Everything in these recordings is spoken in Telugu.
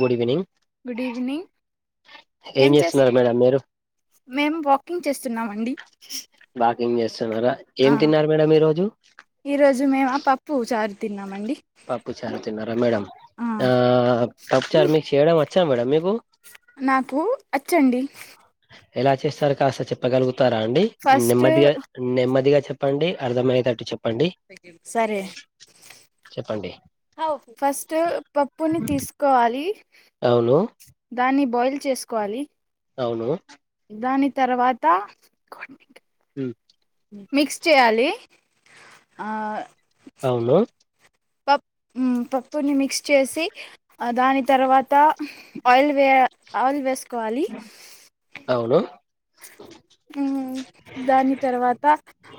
గుడ్ ఈవెనింగ్ గుడ్ ఈవినింగ్ ఏం చేస్తున్నారు మేడం మీరు మేము వాకింగ్ చేస్తున్నామండి వాకేంగ్ చేస్తున్నారా ఏం తిన్నారు మేడం ఈ రోజు ఈ రోజు మేమా ఆ పప్పు చారు తిన్నామండి పప్పుచారు తిన్నారా మేడం ఆ పప్పుచారు మీకు చేయడం వచ్చా మేడం మీకు నాకు వచ్చండి ఎలా చేస్తారు కాస్త చెప్పగలుగుతారాండి ఫస్ట్ నెమ్మదిగా నెమ్మదిగా చెప్పండి అర్థమయ్యేటట్టు చెప్పండి సరే చెప్పండి అ ఫస్ట్ పప్పుని తీసుకోవాలి అవును దాన్ని బాయిల్ చేసుకోవాలి అవును దాని తర్వాత స మిక్స్ చేయాలి అ అవును పప్ పప్పుని మిక్స్ చేసి దాని తర్వాత ఆయిల్ వే ఆయిల్ వేస్ కోవాలి అవును ఉ దాని తర్వాత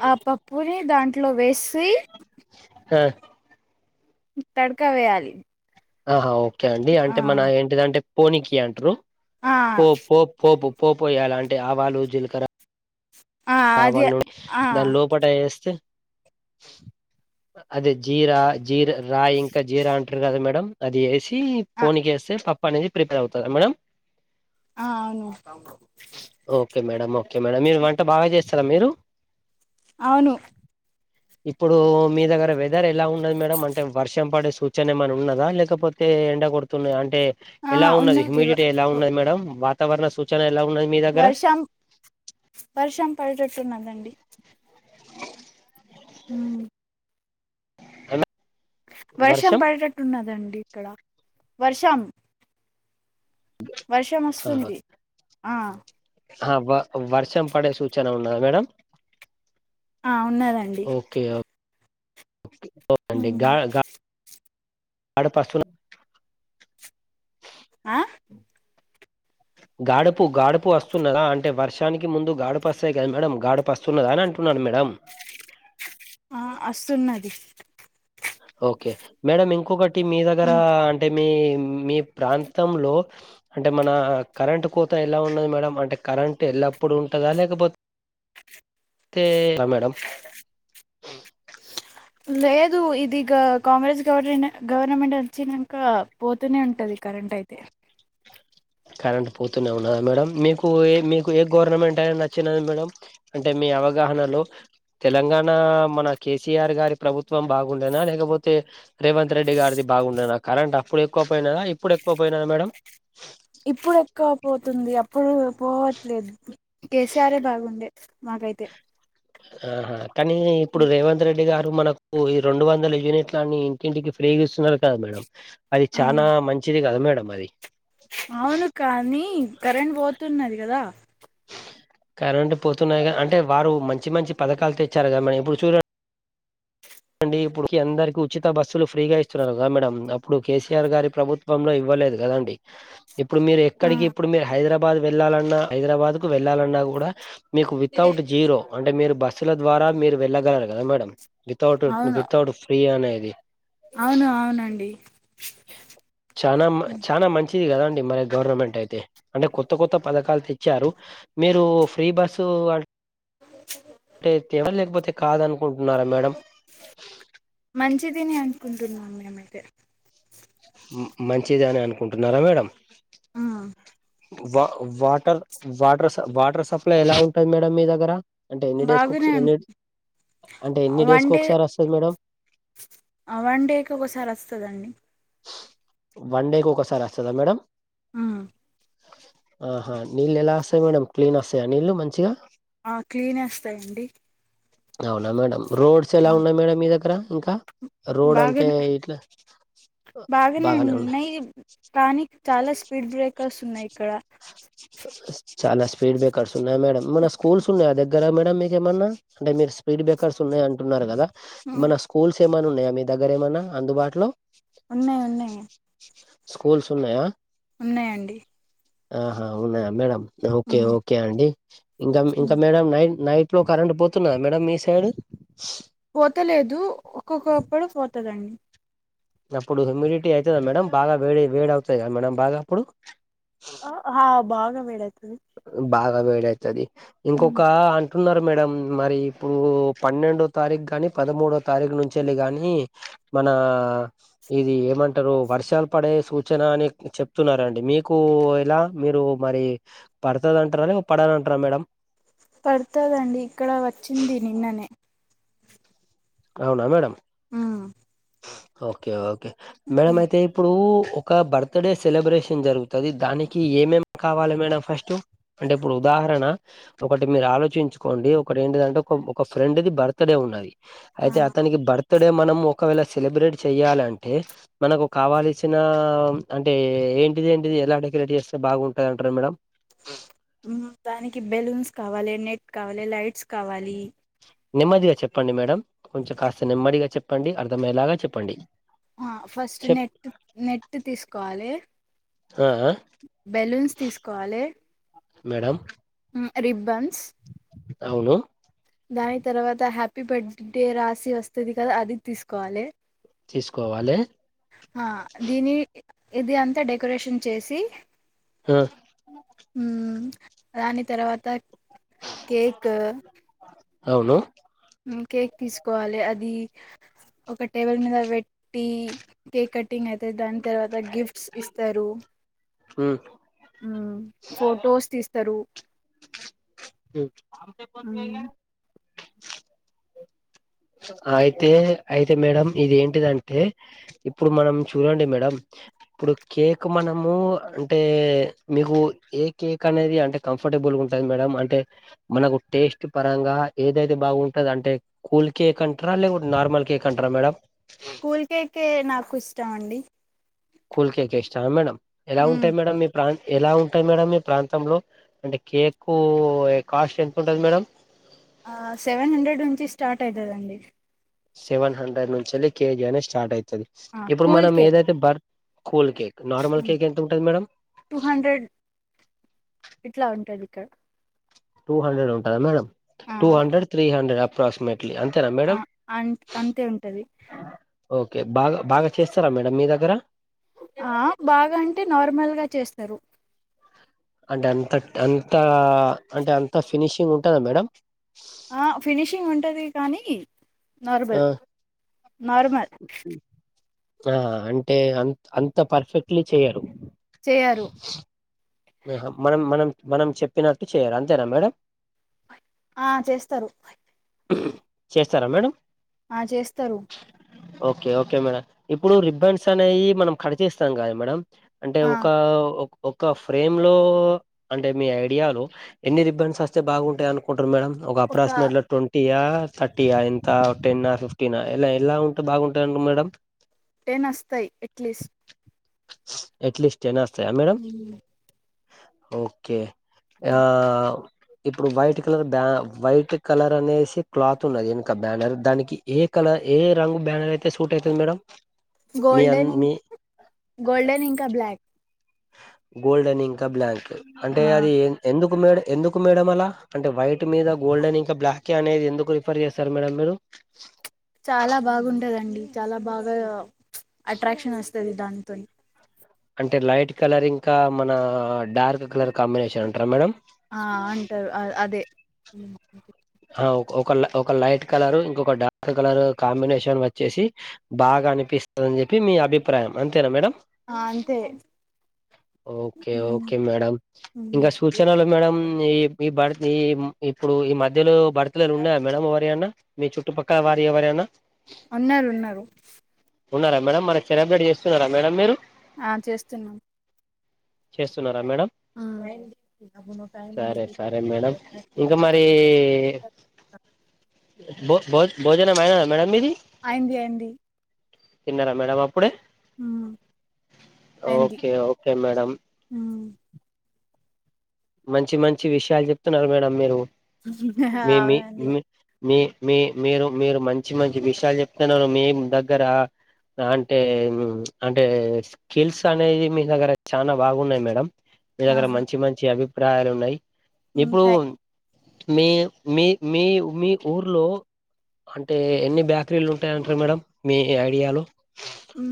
ఆ పప్పుని దాంట్లో వేసి ఆ తడక వేయాలి ఆహా ఓకే అండి ఆ అంటే మన ఏంటిదంటే పోనికి అంటారు ఆ పో పో పోపు పోపోయాలాంటే ఆవాలు జీలకర్ర ఆ అది అవని ఆ దాని లోపట వేస్తే అదే జీరా జీర రాయి ఇంకా జీరా అంటారు కదా మేడం అది ఏసి ఆ పోన్క వేస్తే పప్పు అనేది ప్రిపేర్ అవుతాదా మేడం ఆ అవును ఓకే మేడం ఓకే మేడం మీరు వంట బాగా చేస్తారా మీరు అవును ఇప్పుడు మీ దగ్గర వెదర్ ఎలా ఉన్నది మేడం అంటే వర్షం పడే సూచన ఏమై ఉన్నదా లేకపోతే అంటే ఎండ కొడుతున్నాయి అంటే ఎలా ఉన్నది హ్యూమిడిటీ ఎలా ఉన్నది మేడం వాతావరణ సూచన ఎలా ఉన్నది మీ దగ్గర వర్షం వర్షం పడేటట్టున్నదండి ఉమ్ వర్షం పడేటట్టున్నదండి ఇక్కడ వర్షం వర్షం ఆ, వస్తుంది ఆ ఆ వ వర్షం పడే సూచన ఉన్నదా మేడం ఆ ఉన్నాదండి ఓకే ఓకే గా గాడుపు వస్తుందా ఆ గాడపు గాడుపు వస్తున్నదా అంటే వర్షానికి ముందు గాడుపు వస్తాయి కదా మేడం గాడపు వస్తా న్నదా అని అంటున్నాను మేడం ఆ వస్తున్నది ఓకే మేడం ఇంకొకటి మీ దగ్గర అంటే మీ మీ ప్రాంతంలో అంటే మన కరెంట్ కోత ఎలా ఉన్నది మేడం అంటే కరెంట్ ఎల్లప్పుడు ఉంటందా లేకపోతే ఆ మేడం లేదు ఇదిగా కాంగ్రెస్ గవర్న గవర్నమెంట్ వచ్చినంక పోతూనే ఉంటది కరెంట్ అయితే కరెంటు పోతూనే ఉన్నదా మేడం మీకు ఏ మీకు ఏ గవర్నమెంట్ అయి నచ్చినది మేడం అంటే మీ అవగాహనలో తెలంగాణ మన కేసీఆర్ గారి ప్రభుత్వం బాగుండేనా లేకపోతే రేవంత్ రెడ్డి గారిది బాగుండేనా కరెంట్ అప్పుడు ఎక్కువ పోయినదా ఇప్పుడు ఎక్కువ పోయినాదా మేడం ఇప్పుడు ఎక్కువ పోతుంది అప్పుడు పోవట్లేదు కేసీఆర్ బాగుండే మాకైతే ఆహా కానీ ఇప్పుడు రేవంత్ రెడ్డి గారు మనకు ఓ ఈ రెండు వందల యూనిట్లు అని ఇంటింటికి ఫ్రీ ఇస్తున్నారు కదా మేడం అది ఆ చానా మంచిది కదా మేడం అది అవును కానీ కరెంట్ పోతున్నది కదా కరెంట్ పోతున్నాయి అంటే వారు మంచి మంచి పథకాలు తెచ్చారుగా మన ఇప్పుడు చూడ అండి ఇప్పుడు అందరికి ఉచిత బస్సులు ఫ్రీగా ఇస్తున్నారు కదా మేడం అప్పుడు కేసీఆర్ గారి ప్రభుత్వంలో ఇవ్వలేదు కదా అండి ఇప్పుడు మీరు ఆ ఎక్కడికి ఇప్పుడు మీరు హైదరాబాద్ వెళ్ళాలన్నా హైదరాబాద్ కు వెళ్ళాలన్నా కూడా మీకు వితౌట్ జీరో అంటే మీరు బస్సుల ద్వారా మీరు వెళ్ళగలరు కదా మేడం వితౌట్ అవును వితౌట్ ఫ్రీ అనేది అవును అవునండి చానా మా చానా మంచిది కదండి మరి గవర్నమెంట్ అయితే అంటే కొత్త కొత్త పథకాలు తెచ్చారు మీరు ఫ్రీ బస్ లేకపోతే కాదనుకుంటున్నారా మేడం మంచిదిని అనుకుంటున్నా మేమైతే మంచిదనే అని అనుకుంటున్నారా మేడం ఆ వా వాటర్ వాటర్ వాటర్ సప్లై ఎలా ఉంటది మేడం మీ దగ్గర అంటే ఎన్ని డేస్కి బాగానే ఒకసారి ఉం ఎన్ని అంటే ఎన్ని డేస్కి ఒకసారి వస్తది మేడం ఆ వన్డేకి ఒకసారి వస్తుందండి వన్ డేకి ఒకసారి వస్తుందా మేడం ఉమ్ ఆహా నీళ్లు ఎలా వస్తాయి మేడం క్లీన్ వస్తాయా నీళ్లు మంచిగా ఆ క్లీన్ వస్తాయండి అవునా మేడం రోడ్స్ ఆ, ఎలా ఉన్నాయి మేడం మీ దగ్గర ఇంకా రోడ్ బాగానే అంటే ఇట్లా బాగానే ఉన్నా కానీ చాలా స్పీడ్ బ్రేకర్స్ ఉన్నాయి ఇక్కడ చాలా స్పీడ్ బ్రేకర్స్ ఉన్నాయి మేడం ఏమన్నా స్కూల్స్ ఉన్నాయి ద మేడం మీకేమన్నా అంటే మీరు స్పీడ్ బ్రేకర్స్ ఉన్నాయి అంటున్నారు కదా ఏమన్నా స్కూల్స్ ఏమన్నా ఉన్నాయా మీ దగ్గర ఏమన్నా అందుబాటులో ఉన్నాయి ఉన్నాయి స్కూల్స్ ఉన్నాయా ఉన్నాయంండి. ఆహా ఉన్నాయా మేడం ఓకే ఓకే అండి ఇంకా ఇంకా మేడం నైట్ నైట్ ఇప్పుడు కరెంట్ పోతున్నా మేడమ్ మీ సైడ్ పోతలేదు ఒక్కొక్కప్పుడు పోతదండి. అప్పుడు హ్యూమిడిటీ అయితద్ద మేడం బాగా వేడి వేడి అవుతుంది. కదా మేడమ్ బాగా అప్పుడు ఆ హా బాగా వేడాయిదీతది బాగా వేడ అవుతుది ఇంకొక అ అంటున్నారు మేడం మరి ఇప్పుడు పన్నెండో తారీఖు కానీ పదమూడో తారీఖు నుంచేలి కానీ మన ఇది ఏమంటారు వర్షాలు పడే సూచన అని చెప్తున్నారండి మీకు ఇలా మీరు మరి పడుతుంది అంటారా. అని పడని అంటారా. మేడం పడుతుదండి. ఇక్కడ వచ్చింది నిన్ననే అవునా మేడమ్ ఆ ఓకే ఓకే మేడం అయితే ఇప్పుడు ఒక బర్త్డే సెలబ్రేషన్ జరుగుతుంది దానికి ఏమేం కావాలి మేడం ఫస్ట్ అంటే ఇప్పుడు ఉదాహరణ ఒకటి మీరు ఆలోచించుకోండి. ఒకటి ఏంటిదంటే ఒక ఒక ఫ్రెండ్దిి బర్త్డే ఉన్నది. ఆ అయితే దానికి బర్త్ డే మనం ఒకవేళ సెలబ్రేట్ చెయాలి అంటే మనకు కావాల్సిన అంటే ఏంటిది ఏంటిది ఎలా డెకరేట్ చేస్తే బాగుంటంది. అంటారు మేడం దానికి బెలూన్స్ కావాలి. నెట్ కావాలి. లైట్స్ కావాలి. నెమ్మదిగా చెప్పండి. మేడం కొంచెం కాస్త నెమ్మదిగా చెప్పండి అర్థమయ్యేలాగా చెప్పండి. ఆ ఫస్ట్ చెప్ నెట్ నెట్ తీసుకోవాలి. ఆహా బెలూన్స్ తీసుకోవాలి. మేడమ్ రిబ్బన్స్ అవును దాని తర్వాత హ్యాపీ బర్త్ డే రాసి వస్తుది. కదా అది తీసుకోవాలి. తీసుకోవాలే ఆ దీని ఇది అంతా డెకరేషన్ చేసి ఆ దాని తర్వాత కేక్ అవును హ్మ్మ్, కేక్ తీసుకోవాలి. అది ఒక టేబుల్ మీద పెట్టి కేక్ కటింగ్ అయితే దాని తర్వాత గిఫ్ట్ ఇస్తారు, ఫొటోస్ తీస్తారు. ప మ్మ్ [inaudible] అయితే అయితే మేడం ఇదిేంటిదంటే ఇప్పుడు మనం చూడండి. మేడం ఇప్పుడు కేక్ మనము అంటే మీకు ఏ కేక్ అనేది అంటే కంఫర్టబుల్గా ఉంటుంది. మేడం అంటే మనకు టేస్ట్ పరంగా ఏదైతే బాగుంటంది. అంటే కూల్ కేక్ అంటార. లే నార్మల్ కేక్ అంటార మేడ కూల్ కేేకే నాకు ఇష్టం అండి. కూల్ కేక్ ఇష్ట మేడం ఎలా మ్మ్ ఉంటాయి మేడం మీ ప్రాంత ఎలా ఉంటాయి మేడం మీ ప్రాంతంలో అంటే కేక్ కాస్ట్ ఎంత ఉంటుంది మేడం ఆ సెవెన్ హండ్రెడ్ నుంచి స్టార్ట్ అయితదండి సెవెన్ హండ్రెడ్ నుంచికెళ్ళి కేజీ అనే స్టార్ట్ అవుతుది ఆ ఇప్పుడు కూల్ మనం కేక్ ఏదైతే birth cool cake normal cake ఎంత ఉంటుంది మేడమ్ టూ హండ్రెడ్ ఇట్లా ఉంటది ఇక్కడ టూ హండ్రెడ్ ఉంటదా మేడం ఆ two hundred three hundred approximate అంతేనా ఆ మేడం అం అంతే ఉంటది ఓకే బాగా బాగా చేస్తారా మేడమ్ మీ దగ్గర ఆ బాగా అంటే నార్మల్ గా చేస్తారు అంటే అంత అంత అంటే అంత ఫినిషింగ్ ఉంటదా మేడం ఆ ఫినిషింగ్ ఉంటది కానీ ఆ నార్మల్ నార్మల్ ఆ అంటే అంత అంత పర్ఫెక్ట్లీ చెయ్యరు చెయ్యరు మనం మనం మనం చెప్పినట్టు చేయాలి అంతేనా మేడం ఆ చేస్తారు చేస్తారా మేడం ఆ చేస్తారు ఓకే ఓకే మేడం ఇప్పుడు రిబన్స్ అనేవి మనం కట్ చేస్తాం కాద మేడం అంటే ఆ ఒక ఒక ఫేమ్ లో అంటే మీ ఐడియాలో ఎన్ని రిబ్బన్స్ వస్తే బాగుంటదనుకు ఉంటారు మేడం ఒక అప్రాక్సిమేట్లీ ట్వంటి టీ థర్టీయా ఇంత టెన్ ఫిఫ్టీన్ ఎలా ఎలా ఉంటే బాగుంటాండి మేడమ్ టెన్ వస్తాయి ఎట్లీస్ట్ ఎట్లిస్ టెన్ వస్తాయా మేడమ్ ఓకే ఆ ఇప్పుడు వైట్ కలర్ బ్యా వైట్ కలర్ అనేసి క్లాత్ ఉన్నది వెనక బ్యానర్ దానికి ఏ కలర్ ఏ రంగు బ్యానర్ అయితే సూట్ అయితది మేడమ్ గోల్డెన్ గోల్డెన్ ఇంకా బ్లాక్ గోల్డెన్ ఇంకా బ్లాంక్ అంటే ఆ అది ఎందుకు మేడ ఎందుకు మేడం అలా అంటే వైట్ మీద గోల్డెన్ ఇంకా బ్లాక్ అనేది ఎందుకు రిఫర్ చేస్తారు మేడం మీరు చాలా బాగుంటదండి చాలా బాగా అట్రాక్షన్ వస్తది దానితోని అంటే లైట్ కలర్ ఇంకా మన డార్క్ కలర్ కాంబినేషన్ ఉంటారా మేడం ఆ అంటారు అదే ఒక ఒక లైట్ కలర్ ఇంకొక డార్క్ కలర్ కాంబినేషన్ వచ్చేసి బాగా అనిపిస్తదని చెప్పి మీ అభిప్రాయం అంతేనా మేడం ఆ అంతే ఓకే ఉమ్, ఓకే మేడం ఉమ్. ఇంగ సూచనలు మేడం ఈ ఈ భర్త ఈ ఇప్పుడు ఈ మధ్యలో బర్త్డేలు ఉన్నాయా మేడం ఎవరియాన్న మీ చుట్టుపక్కల వారియి ఎవరైనా ఉన్నారు ఉన్నారు ఉన్నారా మేడమ్ మరి సెలబ్రేట్ చేస్తున్నారా మేడమ్ మీరు ఆ చేస్తున్నాం చేస్తున్నారా మేడం ఆ అయింది సరే సరే మేడం ఇంకా మరి భో భోజ భోజనం అయినదా మేడం మీది అయింది అయింది తిన్నారా మేడం అప్పుడే హ్మ్ ఓకే ఓకే మేడం ఉ మంచి మంచి విషయాలు చెప్తున్నారు మేడం మీరు మీ మీ అవునండి మీ మీ మీ మీరు మీరు మంచి మంచి విషయాలు చెప్తున్నారు మీమ్ దగ్గర అంటే ఉ అంటే కిల్స్ అనేది మీ దగ్గర చానా బాగున్నాయి మేడం మీ దగ్గర ఆహా మంచి మంచి అభిప్రాయాలు ఉన్నాయి ఇప్పుడు ఉంటాయి మీ మీ మీ మీ ఊర్లో అంటే ఎన్ని బ్యాకరీలు ఉంటాయంటారు మేడం మీ ఐడియాలు ఉ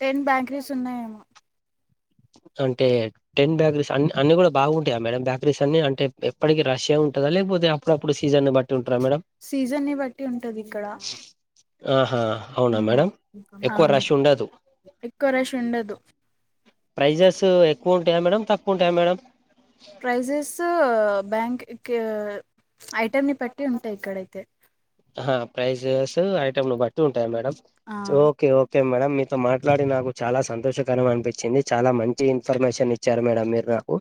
టెన్ బ్యాకరీస్ ఉన్నాయేమో అంటే టెన్ బ్యాకరీస్ అన్ని అన్ని కూడా బాగుంటాయా మేడమ్ బేకరీస్ అన్ని అంటే ఎప్పటికి రష్యా ఉంటందా లేకపోతే అప్పుడప్పుడు సీజన్ బట్ టి ఉంటదా మేడం సీజన్ ని బట్టి ఉంటది ఇక్కడ ఆహా అవునా హ్మ్ మేడం ఎక్కువ అవును రష్ ఉండదు ఎక్కువ రష్ ఉండదు ప్రైజెస్ ఎక్కువ ఉంటాయా మేడం తకువ ఉంటాయా మేడం ప్రైజెస్ బ్యాంక్ ఇక ఐటెం ని బట్టి ఉంటాయి ఇక్కడ అయితే ఆహా ప్రైజెస్ ఐటమ్ ని బట్టి ఉంటాయా మేడం ఆ సో ఓకే ఓకే మేడం మీతో మాట్లాడి నాకు చాలా సంతోషకరం అనిపించింది చాలా మంచి ఇన్ఫర్మేషన్ ఇచ్ చ్చారు మేడం మీరు నాకు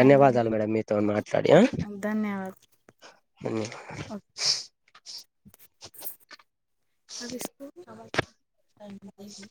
థ్యాంక్ అండి మేడం మీతోని మాట్లాడి ఆ ధన్యవాద్ ఉ ఆ ఇసుకపోతున్నావా టైం అయింది